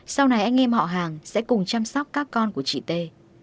sau này anh em họ hàng sẽ cùng chăm sóc các con của chị t